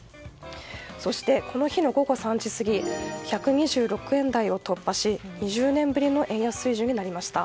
そして、この日の午後３時過ぎ１２６円台を突破し２０年ぶりの円安水準になりました。